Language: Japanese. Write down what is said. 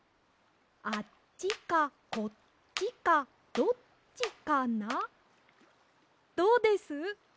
あっちかこっちかどっちかな？